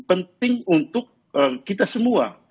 penting untuk kita semua